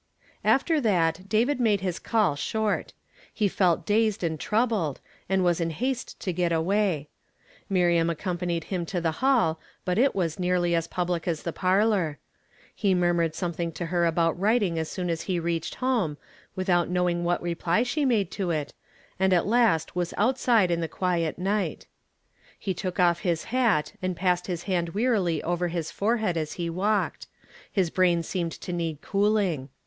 After that David made bis call short. He felt dazed and troubled, and was in haste to get away. Miriam accompanied him to the jiall, bu.t it was nearly as public as the parlor. He munnured some 250 YESTERDAY FRAMED IN TO DAY. * I tiling to her about writing as soon as he reached home, without knowing what reply she made to it, and at last was outside in the quiet night. lie took off his hat, and passed his hand weai'ily over his forehead as he walked ; his brain seemed to need cooling.